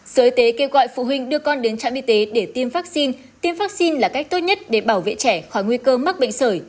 sở y tế kêu gọi phụ huynh đưa con đến trạm y tế để tiêm vaccine tiêm vaccine là cách tốt nhất để bảo vệ trẻ khỏi nguy cơ mắc bệnh sởi